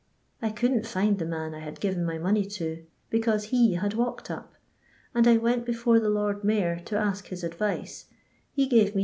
I couldn't find the man I had given my money to, because he had walked up ; and I went befim the Lord Mayor to ask his advice ; he gavt ae 2r.